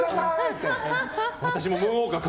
って。